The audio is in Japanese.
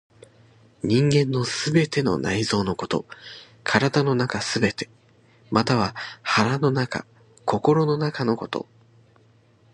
人間の全ての内臓のこと、体の中すべて、または腹の中、心の中のこと。